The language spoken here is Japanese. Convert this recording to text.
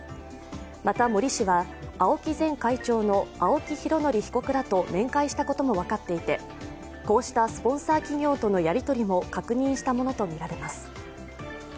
また森氏は、ＡＯＫＩ前会長の青木拡憲被告らと面会したことも分かっていてこうしたスポンサー企業とのやりとりも確認したものとみられます。